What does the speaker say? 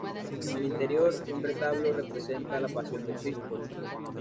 En el interior, un retablo representa la pasión de Cristo.